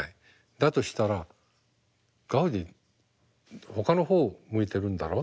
だとしたらガウディほかの方を向いてるんだろ。